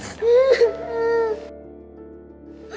udah udah udah